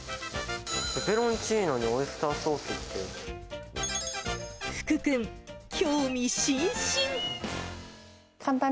ペペロンチーノにオイスター福君、興味津々。